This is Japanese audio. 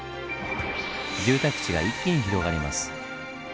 住宅地が一気に広がります。